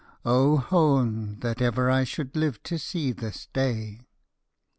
Oh hone, that ever I should live to see this day!"